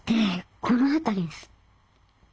この辺りです。